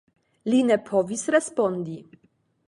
Li ne povis respondi.